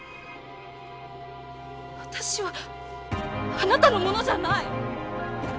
私はあなたのものじゃない！